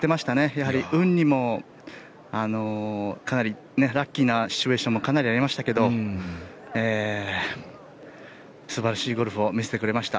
やはり運にもかなりラッキーなシチュエーションもかなりありましたけど素晴らしいゴルフを見せてくれました。